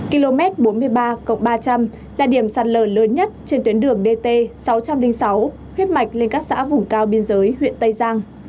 km bốn mươi ba ba trăm linh là điểm sạt lở lớn nhất trên tuyến đường dt sáu trăm linh sáu huyết mạch lên các xã vùng cao biên giới huyện tây giang